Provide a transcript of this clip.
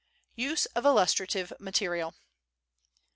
Use of Illustrative Material.